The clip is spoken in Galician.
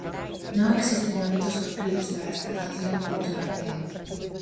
Non existen ámbitos proclives para a exportación da cultura galega.